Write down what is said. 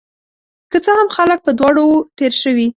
که څه هم، خلک په دواړو وو تیر شوي